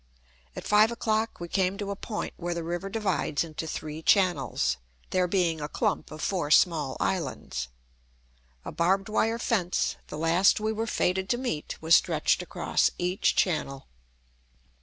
At five o'clock, we came to a point where the river divides into three channels, there being a clump of four small islands. A barbed wire fence, the last we were fated to meet, was stretched across each channel.